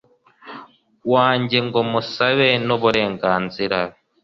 wanjye ngo musabe nuburenganzira